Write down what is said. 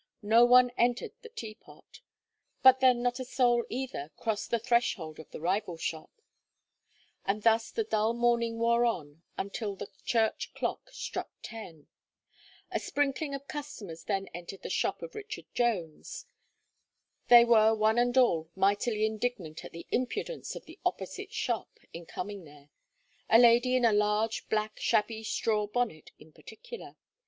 No one entered the "Teapot;" but then not a soul either crossed the threshold of the rival shop. And thus the dull morning wore on until the church clock struck ten. A sprinkling of customers then entered the shop of Richard Jones. They were one and all mightily indignant at the impudence of the opposite shop in coming there a lady in a large, black, shabby straw bonnet in particular.